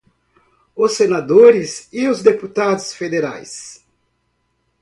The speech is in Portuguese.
os senadores e os deputados federais